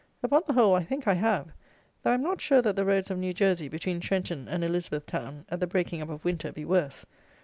Upon the whole, I think, I have; though I am not sure that the roads of New Jersey, between Trenton and Elizabeth Town, at the breaking up of winter, be worse.